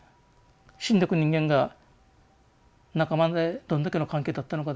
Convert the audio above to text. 死んでく人間が仲間でどんだけの関係だったのかですね